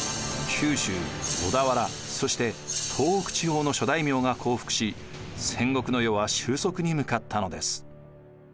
九州小田原そして東北地方の諸大名が降伏し戦国の世は終息に向かったのです。